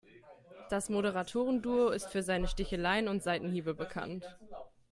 Das Moderatoren-Duo ist für seine Sticheleien und Seitenhiebe bekannt.